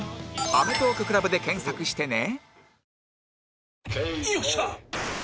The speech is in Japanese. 「アメトーーク ＣＬＵＢ」で検索してね